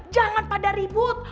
jangan pada ribut